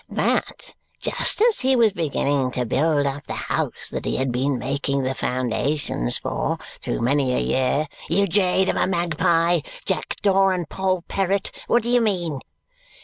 but just as he was beginning to build up the house that he had been making the foundations for, through many a year you jade of a magpie, jackdaw, and poll parrot, what do you mean!